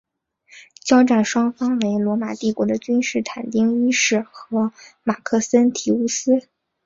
交战双方为罗马帝国的君士坦丁一世和马克森提乌斯。